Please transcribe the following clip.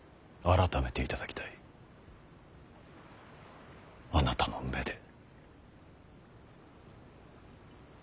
あらためていただきたいあなたの目で。